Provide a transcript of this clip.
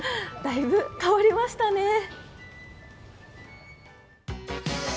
だいぶ変わりましたね。